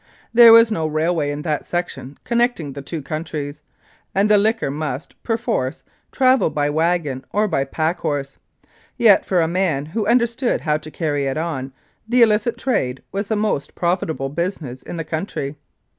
There was no railway in that section connecting the two countries, and the liquor must, perforce, travel by wagon or by pack horse; yet, for a man who understood how to carry it on, the illicit trade was the most profitable business in the country.